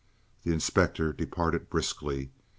The inspector departed briskly.